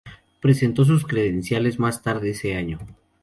Presentó sus credenciales más tarde ese año.